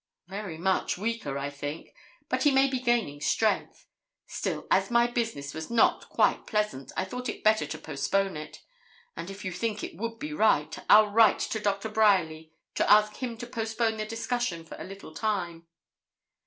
'Very much weaker, I think; but he may be gaining strength. Still, as my business was not quite pleasant, I thought it better to postpone it, and if you think it would be right, I'll write to Doctor Bryerly to ask him to postpone the discussion for a little time.'